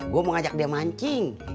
gue mau ajak dia mancing